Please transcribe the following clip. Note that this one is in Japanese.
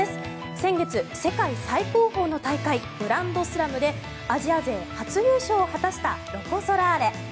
先月、世界最高峰の大会グランドスラムでアジア勢初優勝を果たしたロコ・ソラーレ。